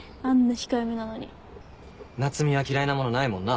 夏海は嫌いなものないもんな。